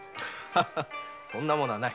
そんなものはない。